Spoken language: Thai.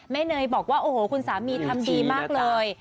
เนยบอกว่าโอ้โหคุณสามีทำดีมากเลย